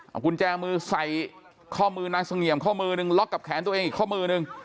เอากุญแจมือใส่ข้อมือนายเสงี่ยมข้อมือนึงล็อกกับแขนตัวเองอีกข้อมือนึง